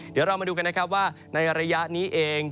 เดี๋ยวเรามาดูกันนะครับว่าในระยะนี้เอง